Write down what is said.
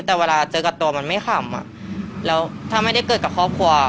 แต่เวลาเจอกับตัวมันไม่ขำแล้วถ้าไม่ได้เกิดกับครอบครัว